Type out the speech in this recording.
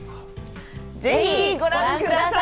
ぜひご覧ください。